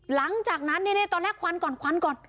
หลังจากนั้นตอนแรกควันก่อนควันก่อน